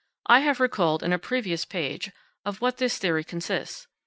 I have recalled in a previous page of what this theory consists.